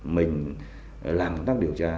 mình làm tác điều tra